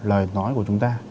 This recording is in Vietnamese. lời nói của chúng ta